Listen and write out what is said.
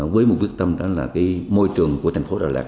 với một quyết tâm đó là cái môi trường của thành phố đà lạt